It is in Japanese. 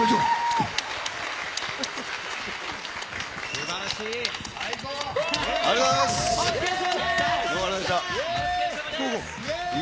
すばらしい。